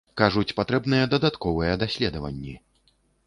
Кажуць, патрэбныя дадатковыя даследаванні.